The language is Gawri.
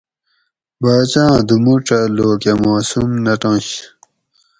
باچاۤ آں دوموڄہ لوک اَ معصوم نٹںش